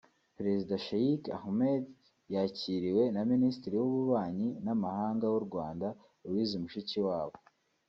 Perezida Sheikh Ahmed yakiriwe na Minisitiri w’Ububanyi n’Amahanga w’u Rwanda Louise Mushikiwabo